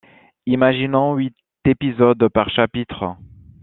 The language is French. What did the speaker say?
Imaginons huit épisodes par chapitre.